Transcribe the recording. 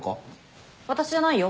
私じゃないよ。